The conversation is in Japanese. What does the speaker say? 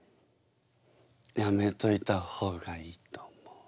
やめといた方がいいと思う。